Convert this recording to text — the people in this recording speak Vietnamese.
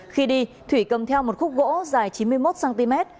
khi đi thủy cầm theo một khúc gỗ dài chín mươi một cm